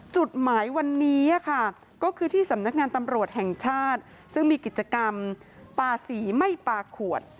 จุดหมายวันนี้ค่ะก็คือที่สำนักงานตำรวจแห่งชาติซึ่งมีกิจกรรมปลาสีไม่ปลาขวด